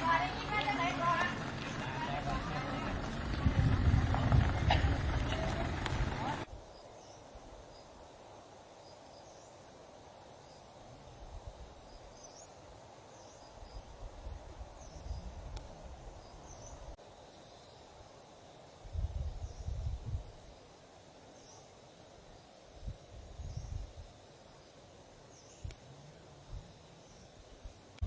สวัสดีครับสวัสดีครับ